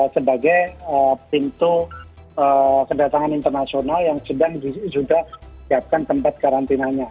sebagai pintu kedatangan internasional yang sudah siapkan tempat karantinanya